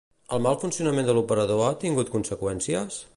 El mal funcionament de l'operador ha tingut conseqüències?